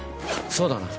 そうだなね